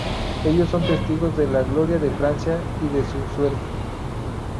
Ellos son testigos de la gloria de Francia, y de su suerte.